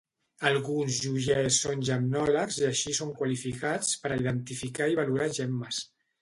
Alguns joiers són Gemmòlegs i així són qualificats per a identificar i valorar gemmes.